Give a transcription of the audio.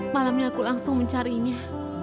malamnya aku langsung mencarinya